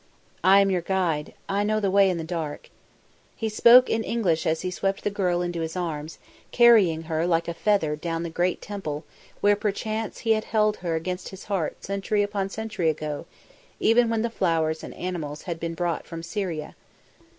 "I am your guide. I know the way in the dark." He spoke in English as he swept the girl into his arms, carrying her like a feather down the great temple where perchance he had held her against his heart century upon century ago, even when the flowers and animals had been brought from Syria.